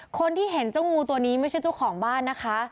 คนที่เห็นเจ้างูตัวนี้ไม่ใช่เจ้าของบ้านนะคะ